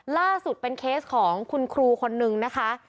ล่าสุดเป็นเคสของคุณครูคนนึงนะคะ